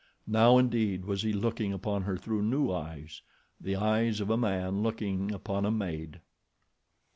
Now, indeed, was he looking upon her through new eyes—the eyes of a man looking upon a maid.